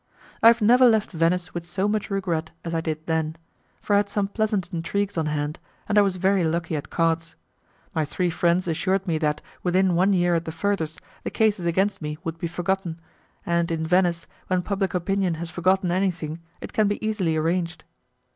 I have never left Venice with so much regret as I did then, for I had some pleasant intrigues on hand, and I was very lucky at cards. My three friends assured me that, within one year at the furthest, the cases against me would be forgotten, and in Venice, when public opinion has forgotten anything, it can be easily arranged.